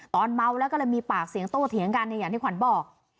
ตอนเมาแล้วก็เลยมีปากเสียงโต้เถียงกันเนี่ยอย่างที่ขวัญบอก